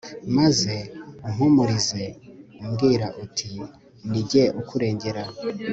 maze umpumurize umbwira uti ni jye ukurengera